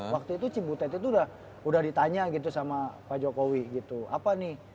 waktu itu cibutet itu udah ditanya gitu sama pak jokowi gitu apa nih